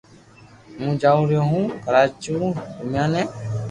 ھون جاوُ رھيو ھون ڪراچو گومياني